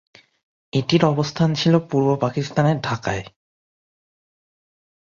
এটির অবস্থান ছিল পূর্ব পাকিস্তানের ঢাকায়।